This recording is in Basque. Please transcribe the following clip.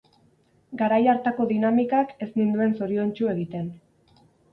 Garai hartako dinamikak ez ninduen zoriontsu egiten.